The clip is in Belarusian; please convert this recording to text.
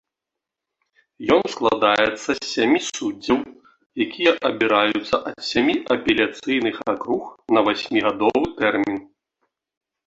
Ён складаецца з сямі суддзяў, якія абіраюцца ад сямі апеляцыйных акруг на васьмігадовы тэрмін.